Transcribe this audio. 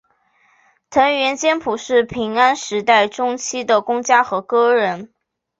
藤原兼辅是平安时代中期的公家和歌人。